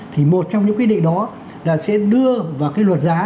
thì một trong những quy định đó là sẽ đưa vào cái luật giá